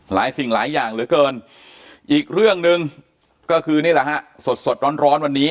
สิ่งหลายอย่างเหลือเกินอีกเรื่องหนึ่งก็คือนี่แหละฮะสดร้อนวันนี้